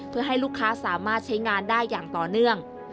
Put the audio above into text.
เพื่อให้ลูกค้าสามารถใช้งานได้อย่างต่อเนื่อง